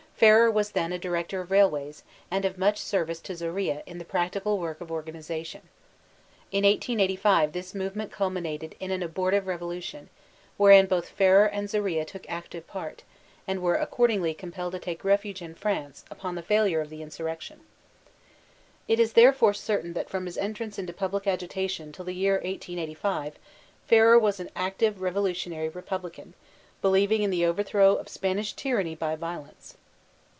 Ferrer was then a director of railways, and of much service to Zorilla in the practical work of organization. In 1885 thb movement cuhninated in an abortive revolution, wherein both Ferrer and Zorilla took active part, and were accordingly compelled to take refuge in France upon the failure of the insurrectiofi. It b therefore certain that from hb entrance into pablk agitation till the year 1885, Ferrer was an active revohi* tionary republican, believing in the overthrow of Spanish tyranny by violence.